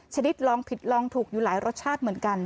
ชะดิษฐ์ล้องผิดล้องถูกอยู่หลายรสชาติเหมือนกัน